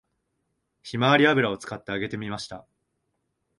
ひまわり油を使って揚げてみました